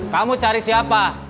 kamu cari siapa